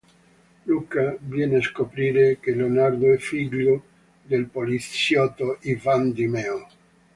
Luca viene a scoprire che Leonardo è figlio del poliziotto Ivan Di Meo.